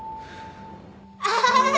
アハハハ